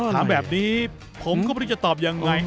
ถามแบบนี้ผมก็ไม่รู้จะตอบยังไง